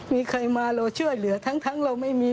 มีใครมาเราช่วยเหลือทั้งเราไม่มี